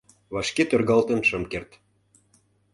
Вашке тӧргалтын шым керт.